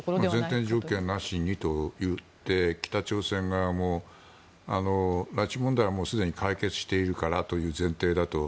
前提条件なしにと言って北朝鮮側も拉致問題はすでに解決しているからという前提だと。